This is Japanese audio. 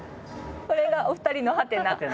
これがお二人のハテナ？